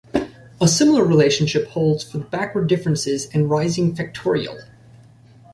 A similar relationship holds for the backward differences and rising factorial.